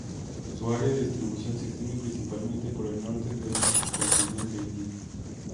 Su área de distribución se extiende principalmente por el norte del subcontinente indio.